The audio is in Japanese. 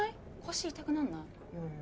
腰痛くなんない？